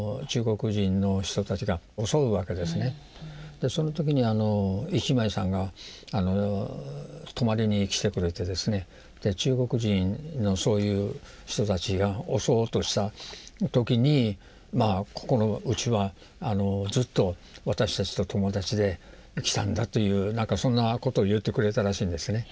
でその時に一枚さんが泊まりに来てくれてですね中国人のそういう人たちが襲おうとした時に「ここのうちはずっと私たちと友達できたんだ」というなんかそんなことを言ってくれたらしいんですね。